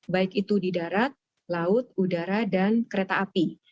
baik itu di darat laut udara dan kereta api